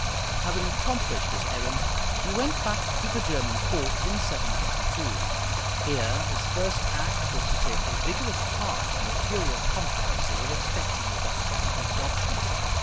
Having accomplished his errand, he went back to the German court in 792. Here his first act was to take a vigorous part in the furious controversy respecting the doctrine of Adoptionism.